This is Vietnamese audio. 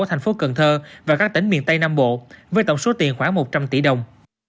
thành phố cần thơ và các tỉnh miền tây nam bộ với tổng số tiền khoảng một trăm linh tỷ đồng